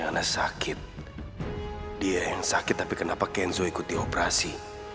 karena sakit dia yang sakit tapi kenapa kenzo ikuti operasi